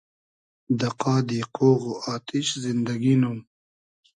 دۂ قادی قۉغ و آتیش زیندئگی نوم